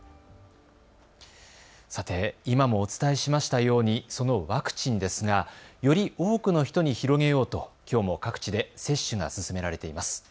さて、今もお伝えしましたようにそのワクチンですがより多くの人に広げようときょうも各地で接種が進められています。